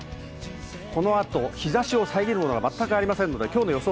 この後、日差しを遮るものがまったくありませんので、きょうの予想